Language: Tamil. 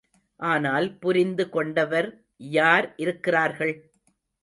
ஆனால் புரிந்து கொண்டவர் யார் இருக்கிறார்கள்?